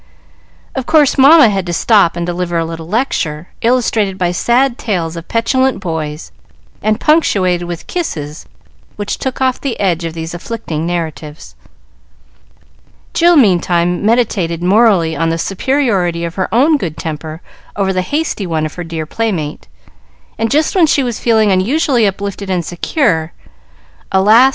Of course Mamma had to stop and deliver a little lecture, illustrated by sad tales of petulant boys, and punctuated with kisses which took off the edge of these afflicting narratives. Jill meantime meditated morally on the superiority of her own good temper over the hasty one of her dear playmate, and just when she was feeling unusually uplifted and secure, alas!